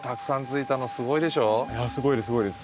いやすごいですすごいです。